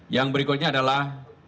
yang berikutnya adalah